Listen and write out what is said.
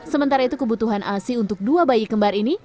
sementara itu kebutuhan asi untuk dua bayi kembar ini